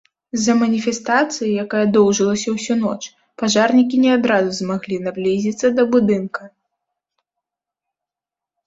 З-за маніфестацыі, якая доўжылася ўсю ноч, пажарнікі не адразу змаглі наблізіцца да будынка.